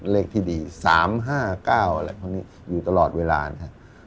เลขที่ดี๓๕๙อะไรพวกนี้อยู่ตลอดเวลานะครับ